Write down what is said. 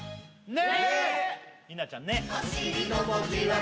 「ね」？